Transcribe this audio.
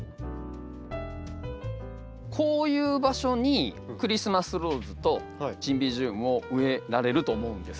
こういう場所にクリスマスローズとシンビジウムを植えられると思うんです。